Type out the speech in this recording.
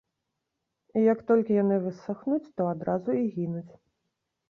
І як толькі яны высахнуць, то адразу і гінуць.